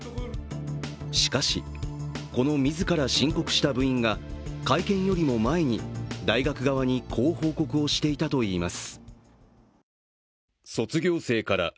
しかし、この自ら申告した部員が会見よりも前に大学側にこう報告をしていたといいます。